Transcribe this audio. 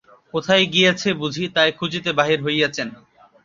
কোথায় গিয়াছে বুঝি, তাই খুঁজিতে বাহির হইয়াচেন।